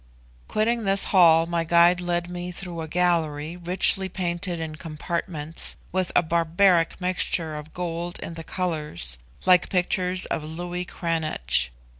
Quitting this hall, my guide led me through a gallery richly painted in compartments, with a barbaric mixture of gold in the colours, like pictures by Louis Cranach.